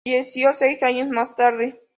Falleció seis años más tarde.